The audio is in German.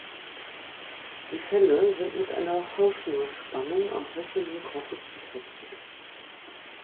Die Felle sind mit einer V-Schnurspannung am hölzernen Korpus befestigt.